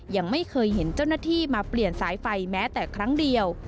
ยังไม่เคยเห็นเจ้าหน้าที่มาเปลี่ยนสายไฟแม้แต่ครั้งเดียว